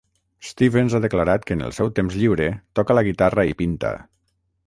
Stevens ha declarat que en el seu temps lliure toca la guitarra i pinta.